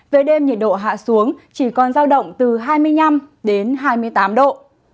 về đêm nhiệt độ hạ xuống chỉ còn giao động từ hai mươi năm đến hai mươi tám độ